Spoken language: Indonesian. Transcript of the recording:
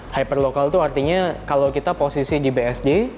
hyper lokal itu artinya kalau kita posisi di bsd